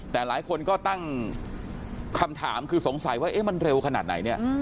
แต่หลายคนก็ตั้งคำถามคือสงสัยว่ามันเร็วขนาดไหนเนี่ย